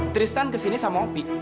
tristan kesini sama opi